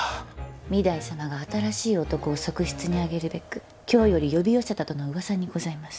御台様が新しい男を側室に上げるべく京より呼び寄せたとの噂にございます。